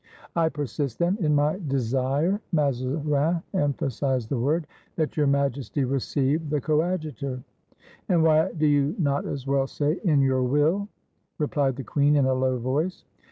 I persist, then, in my desire [Mazarin empha sized the word] that Your Majesty receive the Coad jutor." "And why do you not as well say, in your will? ^^ re plied the queen, in a low voice.